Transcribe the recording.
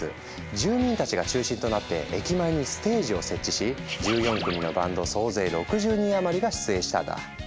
住民たちが中心となって駅前にステージを設置し１４組のバンド総勢６０人余りが出演したんだ。